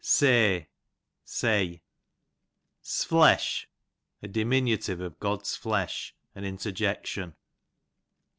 Sey, say. 'Sflesh, a diminutive of God's flesh, an interjection.